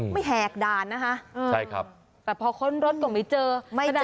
ไม่แหกดานนะคะใช่ครับแต่พอคนรถตรงนี้เจอไม่เจอ